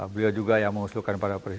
beliau juga yang mengusulkan para